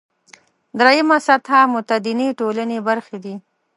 درېیمه سطح متدینې ټولنې برخې دي.